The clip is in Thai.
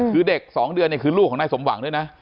คือเด็ก๒เดือนเนี่ยคือลูกของนายสมหวังด้วยนะ